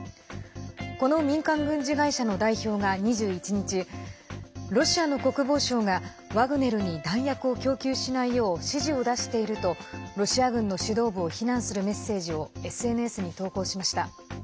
この民間軍事会社の代表が２１日ロシアの国防相がワグネルに弾薬を供給しないよう指示を出しているとロシア軍の指導部を非難するメッセージをＳＮＳに投稿しました。